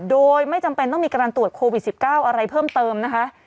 โดยไม่จำเป็นต้องมีการตรวจโควิด๑๙อะไรเพิ่มเติมนะคะ